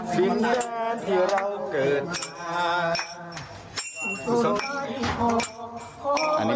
เมื่อรักษาเชื้อรายกัน